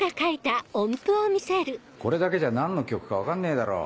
これだけじゃ何の曲か分かんねえだろう。